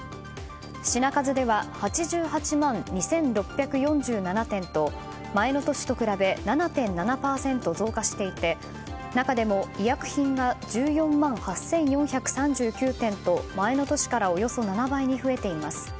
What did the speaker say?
品数では８８万２６４７点と前の年と比べ７．７％増加していて中でも医薬品が１４万８４３９点と前の年からおよそ７倍に増えています。